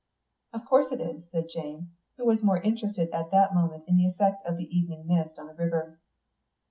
"Of course it is," said Jane, who was more interested at the moment in the effect of the evening mist on the river.